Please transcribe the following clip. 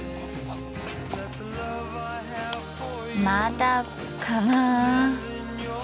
まだかな。